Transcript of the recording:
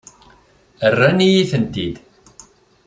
Rran-iyi-tent-id.